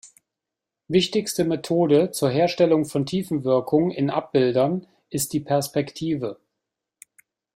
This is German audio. Wichtigste Methode zur Herstellung von Tiefenwirkung in Abbildern ist die "Perspektive".